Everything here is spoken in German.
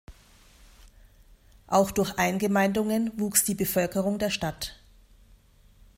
Auch durch Eingemeindungen wuchs die Bevölkerung der Stadt.